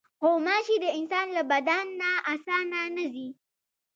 غوماشې د انسان له بدن نه اسانه نه ځي.